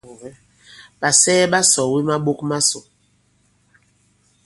Ɓàsɛɛ ɓa sɔ̀ɔ̀we maɓok masò.